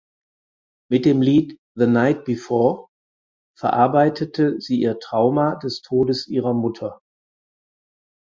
Mit dem Lied "The Night Before" verarbeitete sie ihr Trauma des Todes ihrer Mutter.